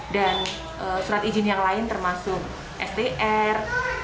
dan surat izin yang lain termasuk str